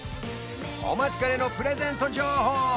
お待ちかねのプレゼント情報